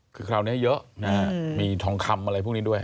คือคราวนี้เยอะมีทองคำอะไรพวกนี้ด้วย